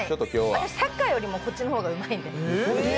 私、サッカーよりもこっちの方がうまいんで。